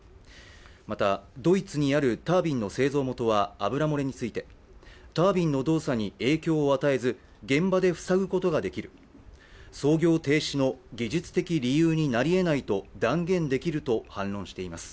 また、ドイツにあるタービンの製造元は油漏れについて、タービンの動作に影響を与えず現場で塞ぐことができる操業停止の技術的理由になりえないと断言できると反論しています。